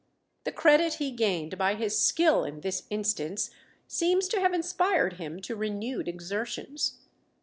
The credit he gained by his skill in this instance seems to have inspired him to renewed exertions.